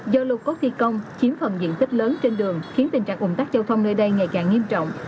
do lục cốt thi công chiếm phần diện tích lớn trên đường khiến tình trạng ủng tắc giao thông nơi đây ngày càng nghiêm trọng